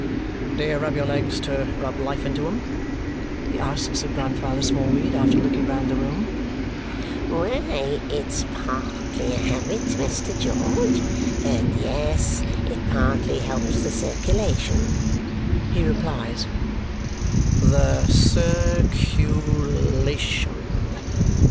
"Do you rub your legs to rub life into 'em?" he asks of Grandfather Smallweed after looking round the room. "Why, it's partly a habit, Mr. George, and yes it partly helps the circulation," he replies. "The cir cu la tion!"